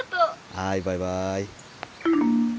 はいバイバイ。